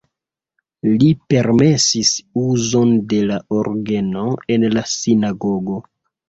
Li permesis uzon de la orgeno en la sinagogo.